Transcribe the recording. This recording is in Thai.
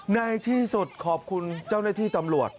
ในที่สุดขอบคุณเจ้าหน้าที่ตำรวจ